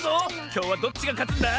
きょうはどっちがかつんだ？